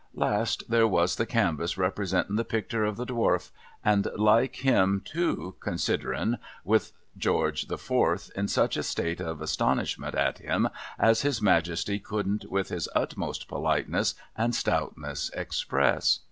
Last, there was the canvass, representin the picter of the Dwarf, and like him too (considerin), with George the Fourth in such a state of astonishment at him as His Majesty couldn't with his utmost ])oliteness and stoutness express.